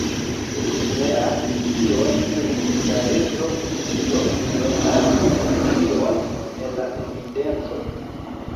"Li neas 'tion'" diris la Reĝo, "do ellasu 'tion' el la evidenco."